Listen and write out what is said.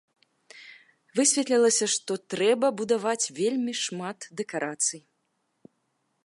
Высветлілася, што трэба будаваць вельмі шмат дэкарацый.